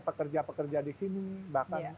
pekerja pekerja di sini bahkan